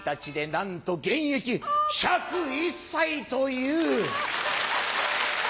なんと現役１０１歳というハァ！ハハハ。